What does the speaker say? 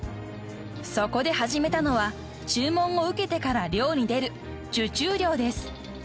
［そこで始めたのは注文を受けてから漁に出る受注漁です］